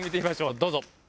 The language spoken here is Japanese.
どうぞ。